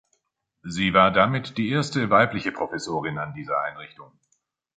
Sie war damit die erste weibliche Professorin an dieser Einrichtung.